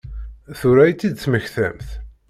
Tura i t-id-temmektamt?